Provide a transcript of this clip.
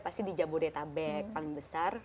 pasti di jabodetabek paling besar